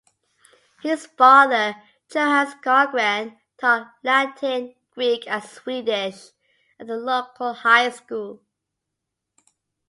His father, Johannes Karlgren, taught Latin, Greek, and Swedish at the local high school.